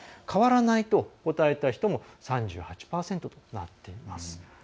変わらないと答えた人も３８％となっています。